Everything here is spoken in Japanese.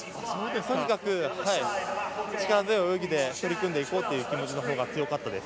とにかく、力強い泳ぎで取り組んでいこうという気持ちのほうが強かったです。